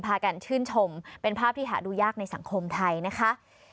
พากันชื่นชมเป็นภาพที่หาดูยากในสังคมไทยนะคะ